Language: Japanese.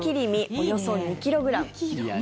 およそ２ｋｇ。